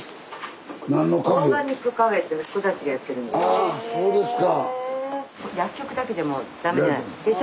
あっそうですか。